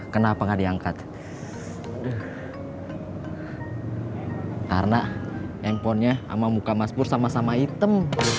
kenapa nggak diangkat karena handphonenya sama muka mas bur sama sama hitam